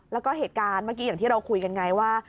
แล้วก็เหตุการณ์เมื่อกี้อย่างที่เราคุยกันไงว่า